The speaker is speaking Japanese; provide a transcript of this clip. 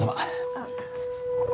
あっ。